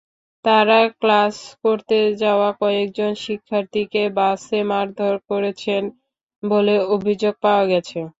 তাঁরা ক্লাস করতে যাওয়া কয়েকজন শিক্ষার্থীকে বাসে মারধর করেছেন বলে অভিযোগ পাওয়া গেছে।